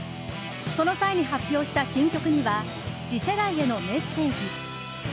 その際に発表した新曲には次世代へのメッセージ。